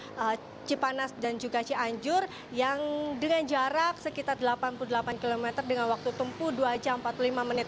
dan raya cipanas dan juga cianjur yang dengan jarak sekitar delapan puluh delapan km dengan waktu tempuh dua jam empat puluh lima menit